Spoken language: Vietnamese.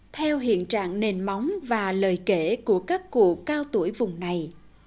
theo hiện trạng nền móng và lời kể của các cụ cao tuổi vùng này